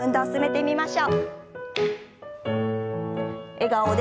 笑顔で。